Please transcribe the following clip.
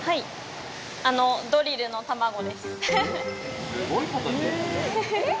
ドリルの卵です。